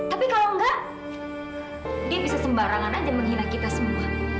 tapi kalau enggak dia bisa sembarangan aja menghina kita semua